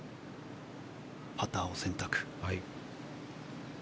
パターを選択。